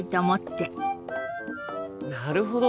なるほど！